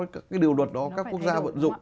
cái điều luật đó các quốc gia vận dụng